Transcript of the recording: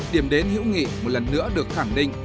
điểm đến hữu nghị một lần nữa được khẳng định